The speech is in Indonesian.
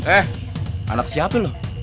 eh anak siapa lu